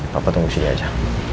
papa tunggu sini aja